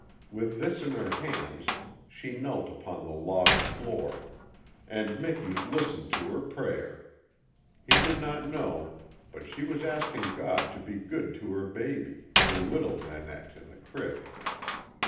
With this in her hands she knelt upon the log floor, and Miki listened to her prayer. He did not know, but she was asking God to be good to her baby the little Nanette in the crib.